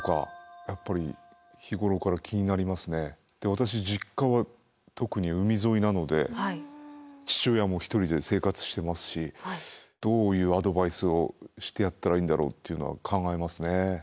私実家は特に海沿いなので父親も一人で生活してますしどういうアドバイスをしてやったらいいんだろうっていうのは考えますね。